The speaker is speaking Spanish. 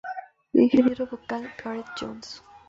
Ingeniero vocal: Gareth Jones.